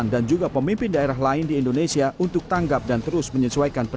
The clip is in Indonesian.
dan juga yang beritahu yang tidak beritahu